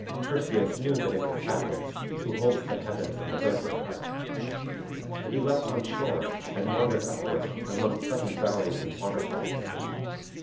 Perseus knew that it was Atlas, who holds the heavens and the earth apart. He leapt on shore, and wandered upward, among pleasant valleys and waterfalls.